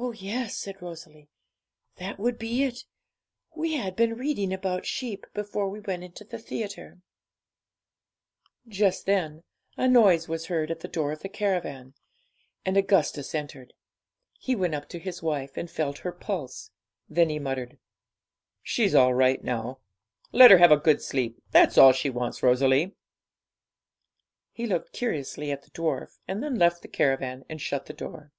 'Oh yes,' said Rosalie, 'that would be it; we had been reading about sheep before we went into the theatre.' Just then a noise was heard at the door of the caravan, and Augustus entered. He went up to his wife, and felt her pulse; then he muttered 'She's all right now. Let her have a good sleep; that's all she wants, Rosalie.' He looked curiously at the dwarf, and then left the caravan and shut the door.